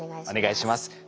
お願いします。